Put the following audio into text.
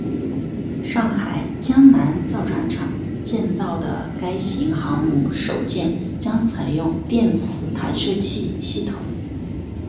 上海江南造船厂建造的该型航母首舰将采用电磁弹射器系统。